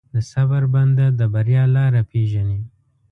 د صبر بنده، د بریا لاره پېژني.